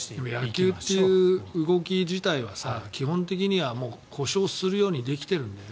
野球という動き自体は基本的には故障するようにできてるんだよね。